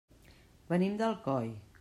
Venim d'Alcoi.